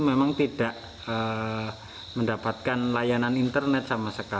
memang tidak mendapatkan layanan internet sama sekali